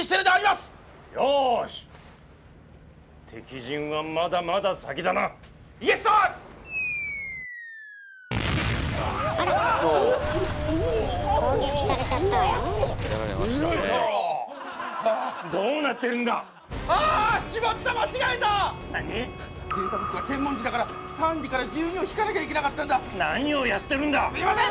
すいません！